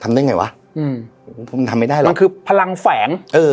ได้ไงวะอืมผมทำไม่ได้หรอกมันคือพลังแฝงเออ